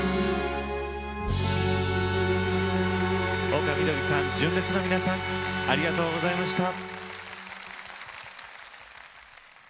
丘みどりさん、純烈の皆さんありがとうございました。